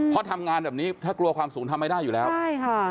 เพราะทำงานแบบนี้ถ้ากลัวความสูงทำไม่ได้อยู่แล้วใช่ค่ะ